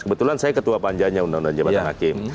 kebetulan saya ketua panjanya undang undang jabatan hakim